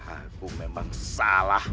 aku memang salah